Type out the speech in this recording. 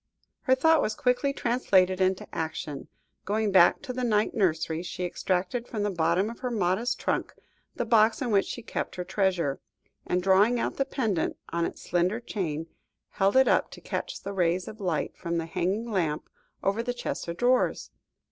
Her thought was quickly translated into action. Going back to the night nursery, she extracted from the bottom of her modest trunk, the box in which she kept her treasure, and drawing out the pendant on its slender chain, held it up to catch the rays of light from the hanging lamp over the chest of drawers.